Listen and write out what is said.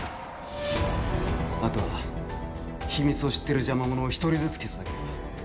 あとは秘密を知ってる邪魔者を１人ずつ消すだけだ。